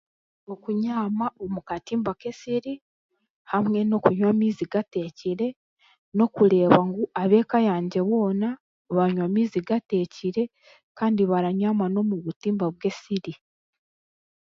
Okunyaama omu katimba k'esiri hamwe n'okunywa amaizi gateekire n'okureeba ngu abeeka yangye boona baanywa amaizi gateekire kandi baranyaama n'omu butimba bw'esiri.